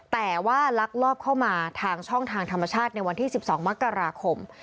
แต่ว่าลักลอบเข้ามาทางช่องทางธรรมชาติในวันที่๑๒มกราคม